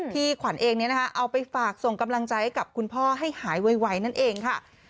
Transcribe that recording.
ขวัญเองเอาไปฝากส่งกำลังใจให้กับคุณพ่อให้หายไวนั่นเองค่ะ